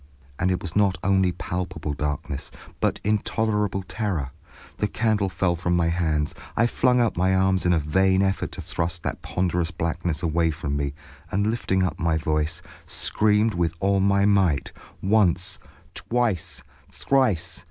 And it was not only palpable darkness, but intolerable terror. The candle fell from my hands. I flung out my arms in a vain effort to thrust that ponderous blackness away from me, and lifting up my voice, screamed with all my might, once, twice, thrice.